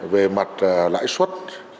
về mặt lãi suất